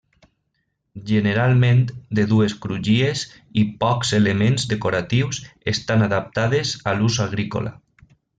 Generalment de dues crugies i pocs elements decoratius, estan adaptades a l'ús agrícola.